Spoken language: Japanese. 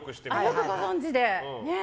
よくご存じで。